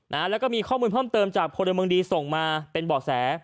นะฮะแล้วก็มีข้อมูลเพิ่มเติมจากพลเมืองดีส่งมาเป็นเบาะแส